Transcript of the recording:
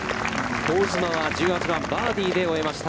香妻は、１８番、バーディーで終えました。